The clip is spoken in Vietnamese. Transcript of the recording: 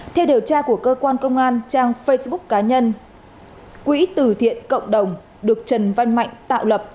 theo điều tra của cơ quan công an trang facebook cá nhân quỹ từ thiện cộng đồng được trần văn mạnh tạo lập